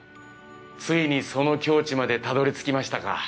ついにその境地までたどりつきましたか？